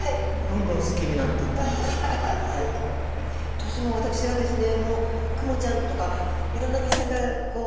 どうしても私はですね